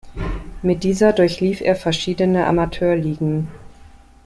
Mit dieser durchlief er verschiedene Amateurligen.